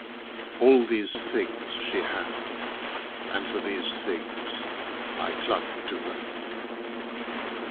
All these things she had, and for these things I clung to her.